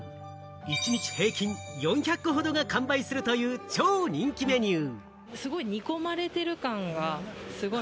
一日平均４００ほどが完売するという超人気メニュー。